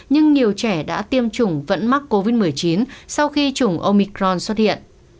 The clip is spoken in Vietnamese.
nhưng nhiều trẻ đã tiêm chủng vẫn mắc covid một mươi chín sau khi chủng omicron xuất hiện